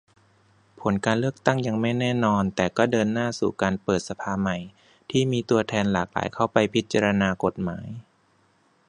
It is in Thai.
ผลการเลือกตั้งยังไม่แน่นอน แต่ก็เดินหน้าสู่การเปิดสภาใหม่ ที่มีตัวแทนหลากหลายเข้าไปพิจารณากฎหมาย